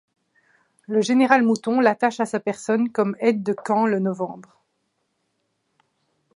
Le général Mouton l'attache à sa personne comme aide-de-camp le novembre.